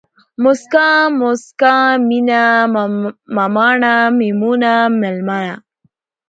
موسکا ، مُسکا، مينه ، مماڼه ، ميمونه ، ململه